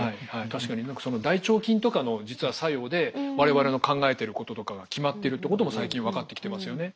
確かに大腸菌とかの実は作用でわれわれの考えていることとかが決まっているってことも最近分かってきてますよね。